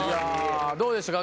どうでしゅたか？